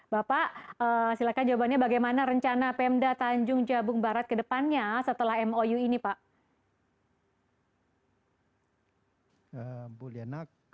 bapak silakan jawabannya bagaimana rencana pemda tanjung jabung barat ke depannya setelah mou ini pak